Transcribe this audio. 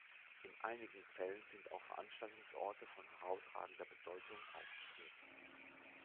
In einigen Fällen sind auch Veranstaltungsorte von herausragender Bedeutung aufgeführt.